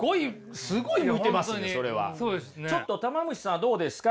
ちょっとたま虫さんはどうですか。